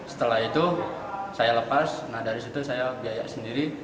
setelah itu saya lepas nah dari situ saya biaya sendiri